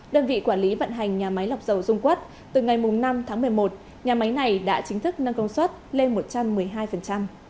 đơn vị quản lý vận hành nhà máy lọc dầu dung quất từ ngày năm tháng một mươi một nhà máy này đã chính thức nâng công suất lên một trăm một mươi hai